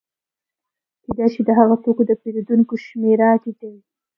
کېدای شي د هغه توکو د پېرودونکو شمېره ټیټه وي